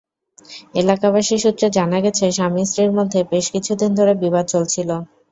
এলাকাবাসী সূত্রে জানা গেছে, স্বামী-স্ত্রীর মধ্যে বেশ কিছুদিন ধরে বিবাদ চলছিল।